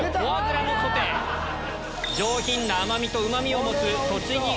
上品な甘みとうま味を持つ。